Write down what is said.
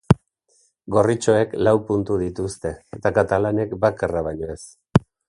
Gorritxoek lau puntu dituzte eta katalanek bakarra baino ez.